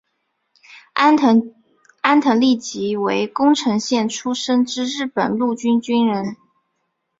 安藤利吉为宫城县出身之日本陆军军人。